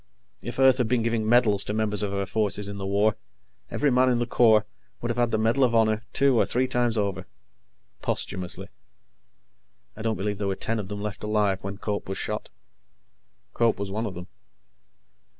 If Earth had been giving medals to members of her forces in the war, every man in the Corps would have had the Medal of Honor two and three times over. Posthumously. I don't believe there were ten of them left alive when Cope was shot. Cope was one of them.